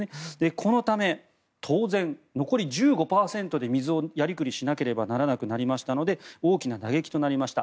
このため、当然残り１５％で水をやりくりしなければならなくなりましたので大きな打撃となりました。